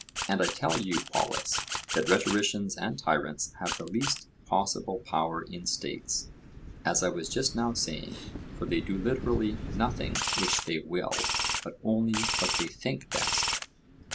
And I tell you, Polus, that rhetoricians and tyrants have the least possible power in states, as I was just now saying; for they do literally nothing which they will, but only what they think best.